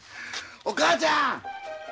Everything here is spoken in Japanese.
お母ちゃん！